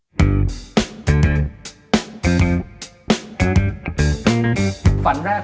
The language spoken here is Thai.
คุณต้องถ่ายละครต้องถ่ายละคร